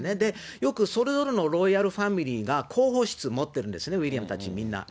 よく、それぞれのロイヤルファミリーが広報室を持ってるんですね、ウィリアムたち、みんな。